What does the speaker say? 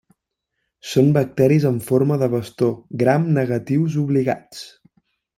Són bacteris amb forma de bastó gram negatius obligats.